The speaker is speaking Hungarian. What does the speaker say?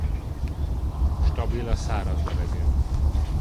Stabil a száraz levegőn.